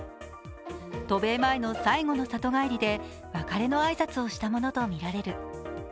渡米前の最後の里帰りで別れの挨拶をしたものとみられる。